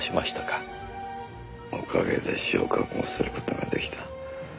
おかげで死を覚悟することができた。